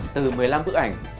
từ một mươi năm bức ảnh